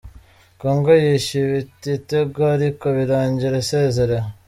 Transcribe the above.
Congo yishyuye igitego, ariko birangira isezerewe